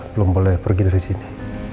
belum boleh pergi dari sini